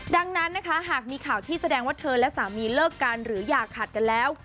ดังนั้นนะคะหากมีข่าวที่แสดงว่าเธอและสามีเลิกกันหรืออย่าขัดกันแล้ว